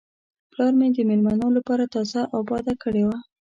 پلار مې د میلمنو لپاره تازه آباده کړې وه.